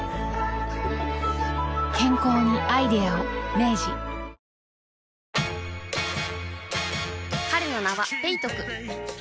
健康にアイデアを明治彼の名はペイトク